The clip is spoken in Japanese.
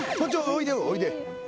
おいでおいで。